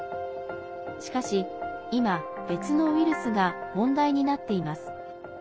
しかし今、別のウイルスが問題になっています。